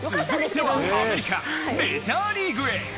続いてはアメリカメジャーリーグへ！